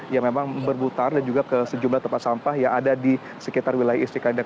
yang memang berputar dan juga ke sejumlah tempat sampah yang ada di sekitar wilayah istiqlal